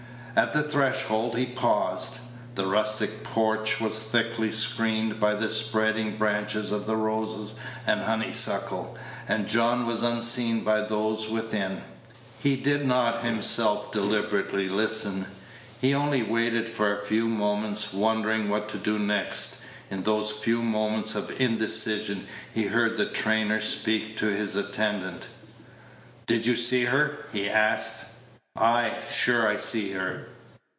At the threshold he paused. The rustic porch was thickly screened by the spreading branches of the roses and honey suckle, and John was unseen by those within. He did not himself deliberately listen; he only waited for a few moments, wondering what to do next. In those few moments of indecision he heard the trainer speak to his attendant: "Did you see her?" he asked. "Ay, sure, I see her."